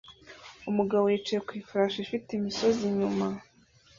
Umugabo yicaye ku ifarashi ifite imisozi inyuma